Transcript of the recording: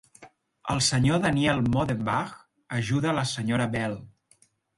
El Sr. Daniel Modenbach ajuda la Sra. Bell.